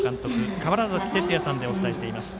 川原崎哲也さんでお伝えしております。